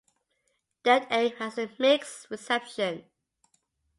"Dead Aim" had a mixed reception.